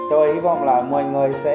tôi hy vọng là mọi người sẽ vượt ra